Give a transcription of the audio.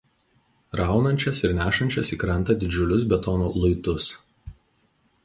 raunančias ir nešančias į krantą didžiulius betono luitus